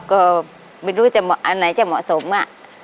ก็ไม่รู้จะอันไหนจะเหมาะสมอ่ะ